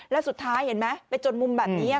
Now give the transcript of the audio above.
และสุดท้ายไปจนมุมแบบนี้